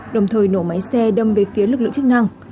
đồng thời nổ máy xe đâm về phía lực lượng chức năng